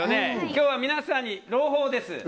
今日は皆さんに朗報です。